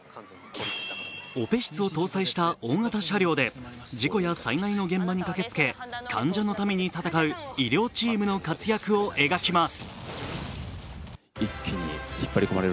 オペ室を搭載した大型車両で事故や災害の現場に駆けつけ患者のために戦う医療チームの活躍を描きます。